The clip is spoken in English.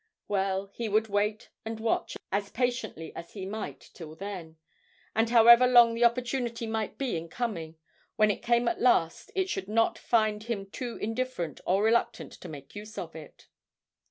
Well, he would wait and watch as patiently as he might till then, and however long the opportunity might be in coming, when it came at last it should not find him too indifferent or reluctant to make use of it.